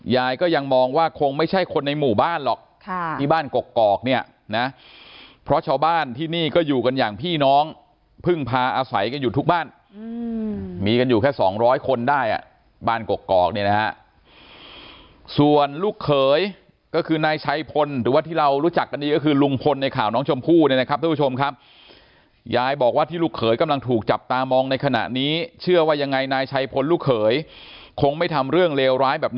หรอกที่บ้านกรกเนี่ยนะเพราะชาวบ้านที่นี่ก็อยู่กันอย่างพี่น้องพึ่งพาอาศัยกันอยู่ทุกบ้านมีกันอยู่แค่๒๐๐คนได้อ่ะบ้านกรกเนี่ยนะฮะส่วนลูกเขยก็คือนายชัยพลหรือว่าที่เรารู้จักกันดีก็คือลุงพลในข่าวน้องชมพูนะครับทุกชมครับยายบอกว่าที่ลูกเขยกำลังถูกจับตามองในขณะนี้เชื่อว่ายั